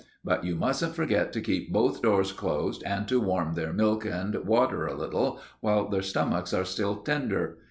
But you mustn't forget to keep both doors closed and to warm their milk and water a little, while their stomachs are still tender.